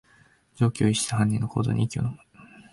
常軌を逸した犯人の行動に息をのむ